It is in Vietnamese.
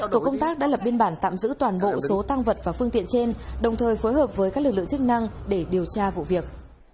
tổ công tác đã lập biên bản tạm giữ toàn bộ số tăng vật và phương tiện trên đồng thời phối hợp với các lực lượng chức năng để điều tra vụ việc